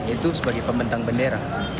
yaitu sebagai pembentang bendera